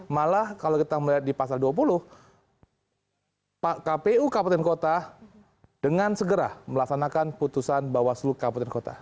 malah kalau kita melihat di pasal dua puluh kpu kabupaten kota dengan segera melaksanakan putusan bawaslu kabupaten kota